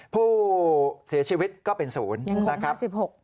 ผู้เสียชีวิตก็เป็นศูนย์นะครับ